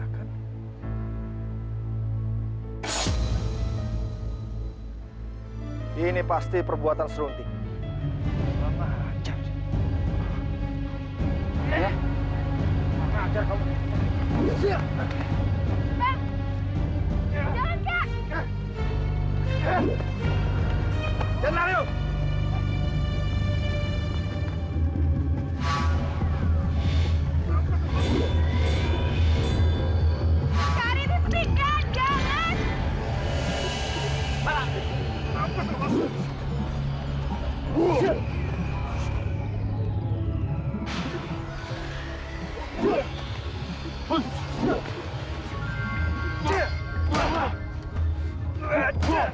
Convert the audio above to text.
sampai jumpa di video selanjutnya